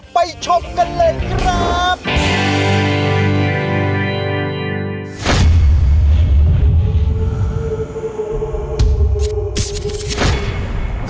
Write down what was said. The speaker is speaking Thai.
ไปชมกันเลยครับ